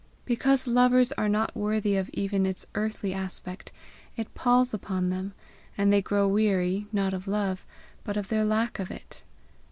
Because lovers are not worthy of even its earthly aspect, it palls upon them, and they grow weary, not of love, but of their lack of it.